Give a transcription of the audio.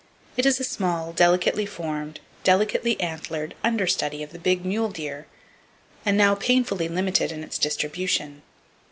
It is a small, delicately formed, delicately antlered understudy of the big mule deer, and now painfully limited in its distribution.